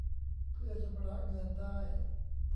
เพื่อชำระเงินได้